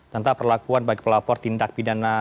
tentang perlakuan bagi pelapor tindak pidana